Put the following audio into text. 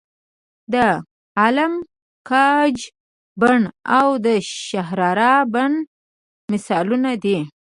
د عالم ګنج بڼ او د شهرارا بڼ مثالونه دي.